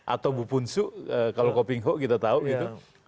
atau bu punsu kalau koping ho gitu tau gitu